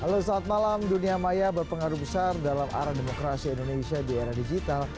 halo saat malam dunia maya berpengaruh besar dalam arah demokrasi indonesia di era digital